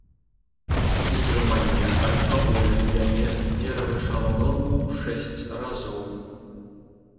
Утрыманне алкаголю ў яе перавышала норму ў шэсць разоў.